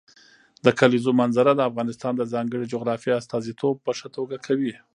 د کلیزو منظره د افغانستان د ځانګړي جغرافیې استازیتوب په ښه توګه کوي.